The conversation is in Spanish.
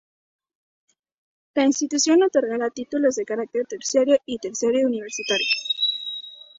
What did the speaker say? La institución otorgará títulos de carácter terciario y terciario universitario.